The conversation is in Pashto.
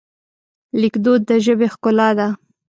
لیکدود د ژبې ښکلا ده.